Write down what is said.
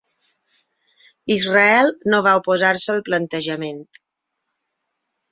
Israel no va oposar-se al plantejament.